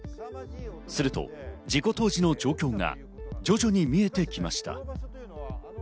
すると事故当時の状況が徐々に見えてきました。